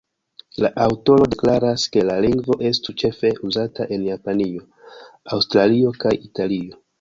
La aŭtoro deklaras ke la lingvo estu ĉefe uzata en Japanio, Aŭstralio kaj Italio.